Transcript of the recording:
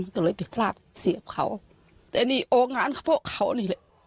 มันก็เลยไปพลาดเสียเขาแต่นี่โอ้งงานเขาพวกเขานี่เลย